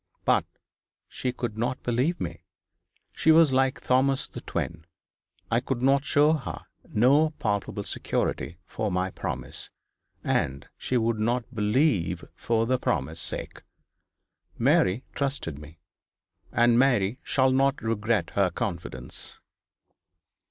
But she could not believe me. She was like Thomas the twin. I could show her no palpable security for my promise and she would not believe for the promise' sake. Mary trusted me; and Mary shall not regret her confidence.'